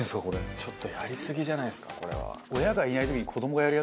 ちょっとやりすぎじゃないですかこれは。